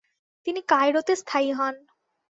তিনি কায়রোতে স্থায়ী হন।